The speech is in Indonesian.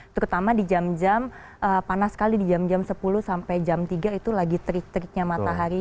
terutama di jam jam panas sekali di jam jam sepuluh sampai jam tiga itu lagi terik teriknya matahari